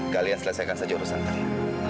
kalian selesaikan saja urusan saya